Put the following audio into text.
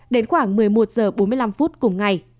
đến khoảng một mươi một h bốn mươi năm phút cùng ngày